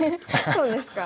そうですか？